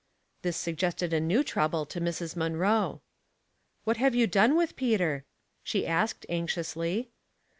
This suggested a new trouble to Mrs. Munroe. " What have you done with Peter ?" she asked, anxiously.